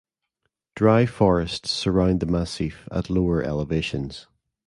Dry forests surround the massif at lower elevations.